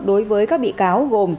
đối với các bị cáo gồm